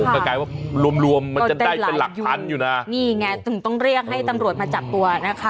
ก็กลายว่ารวมรวมมันจะได้เป็นหลักพันอยู่นะนี่ไงถึงต้องเรียกให้ตำรวจมาจับตัวนะคะ